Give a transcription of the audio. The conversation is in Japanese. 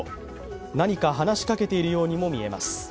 何か話しかけているようにも見えます。